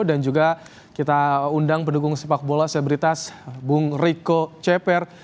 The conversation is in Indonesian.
dan juga kita undang pendukung sepak bola selebritas bung riko ceper